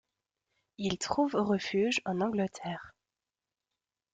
Il trouve refuge en Angleterre.